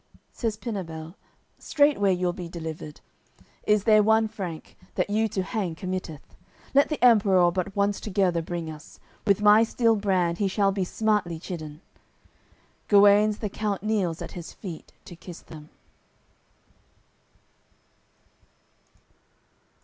Says Pinabel: "Straightway you'll be delivered. Is there one Frank, that you to hang committeth? Let the Emperour but once together bring us, With my steel brand he shall be smartly chidden." Guenes the count kneels at his feet to kiss them.